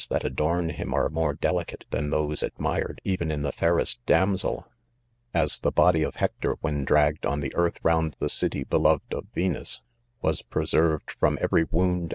that • adorn him are rnore delicate than therms admired 'even in the fairest damsel ! Ao th:s body of Hector when dragged on thti earth round the city buluv^d of 'Vbira;i .;<:.;,■>:. ;;l < THE SIIUNGJ3E. 21 ed from every wound an.